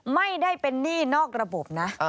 ไม่ได้เป็นหนี้นอกระบบนะ